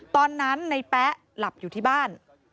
ตอนนั้นในแป๊ะหลับอยู่ที่บ้าน